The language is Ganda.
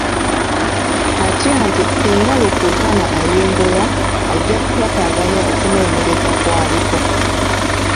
Atya nti singa Rukutana ayimbulwa ajja kutaataaganya okunoonyereza kw'aliko.